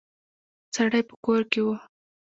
سړی په کور کې و.